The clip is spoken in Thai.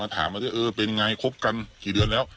ถามว่าเออเป็นไงคบกันกี่เดือนแล้ว